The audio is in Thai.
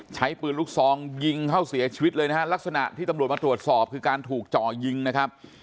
ใช้ปืนลูกซองยิงเขาเสียชีวิตเลยนะฮะลักษณะที่ตำรวจมาตรวจสอบคือการถูกจ่อยิงนะครับ